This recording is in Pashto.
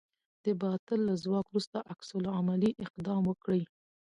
د باطل له ځواک وروسته عکس العملي اقدام وکړئ.